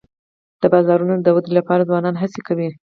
د بازارونو د ودي لپاره ځوانان هڅي کوي.